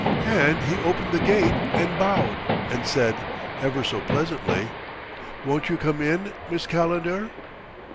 And he opened the gate, and bowed, and said, ever so pleasantly, 'Won't you come in, Miss Calendar?'